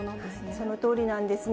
そのとおりなんですね。